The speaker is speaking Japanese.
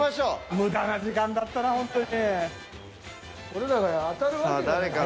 無駄な時間だったなホントに。